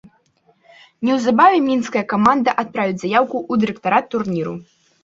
Неўзабаве мінская каманда адправіць заяўку ў дырэктарат турніру.